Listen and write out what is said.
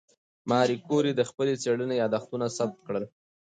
ماري کوري د خپلې څېړنې یادښتونه ثبت کړل.